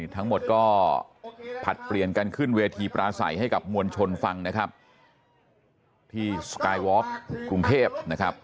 ทั้งหมดก็ผลัดเปลี่ยนกันขึ้นเวทีปราศัยให้กับมวลชนฟังนะครับที่สกายวอล์กกรุงเทพนะครับ